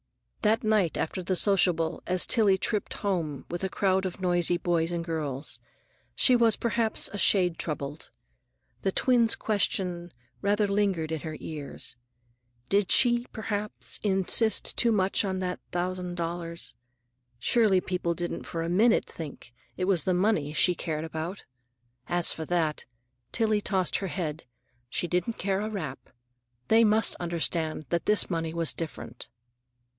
That night after the sociable, as Tillie tripped home with a crowd of noisy boys and girls, she was perhaps a shade troubled. The twin's question rather lingered in her ears. Did she, perhaps, insist too much on that thousand dollars? Surely, people didn't for a minute think it was the money she cared about? As for that, Tillie tossed her head, she didn't care a rap. They must understand that this money was different.